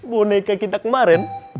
boneka kita kemaren